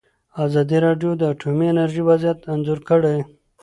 ازادي راډیو د اټومي انرژي وضعیت انځور کړی.